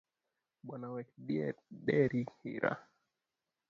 Bwana wek deri hira.